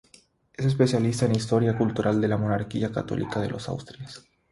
Es especialista en historia cultural de la Monarquía Católica de los Austrias.